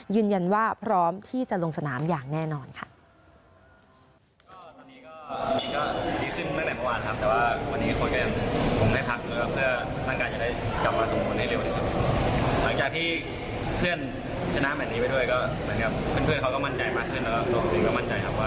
ยืนยันว่าพร้อมที่จะลงสนามอย่างแน่นอนค่ะ